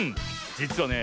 じつはね